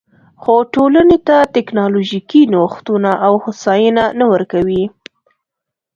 خو ټولنې ته ټکنالوژیکي نوښتونه او هوساینه نه ورکوي